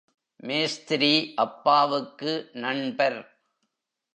மேஸ்திரி அப்பாவுக்கு நண்பர்.